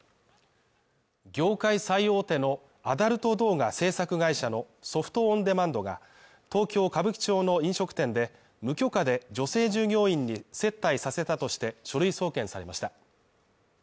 業界最大手のアダルト動画制作会社のソフト・オン・デマンドが東京歌舞伎町の飲食店で、無許可で女性従業員に接待させたとして書類送検されました。